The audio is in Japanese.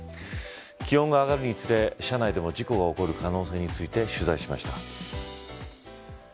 気温が上がるにつれ車内でも事故が起こる可能性について取材しました。